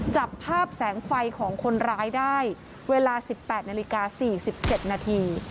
จับภาพแสงไฟของคนร้ายได้เวลา๑๘นาฬิกา๔๗นาที